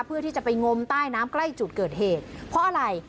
เพื่อที่จะไปงมใต้น้ำใกล้จุดเกิดเหตุเพราะอะไร